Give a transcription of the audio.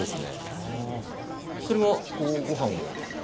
それはごはんを？